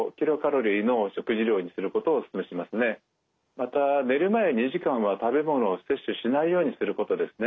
また寝る前２時間は食べ物を摂取しないようにすることですね。